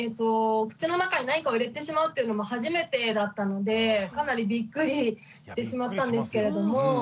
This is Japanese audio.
口の中に何かを入れてしまうっていうのも初めてだったのでかなりびっくりしてしまったんですけれども。